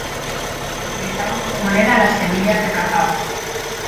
Utilizaban como moneda las semillas de cacao.